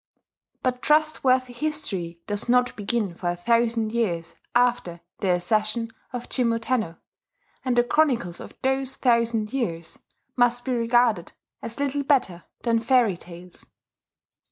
But trustworthy history does not begin for a thousand years after the accession of Jimmu Tenno; and the chronicles of those thousand years must be regarded as little better than fairy tales.